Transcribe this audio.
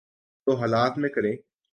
تو حالات میں کریں۔